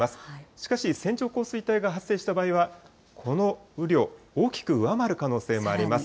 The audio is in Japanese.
しかし線状降水帯が発生した場合は、この雨量、大きく上回る可能性もあります。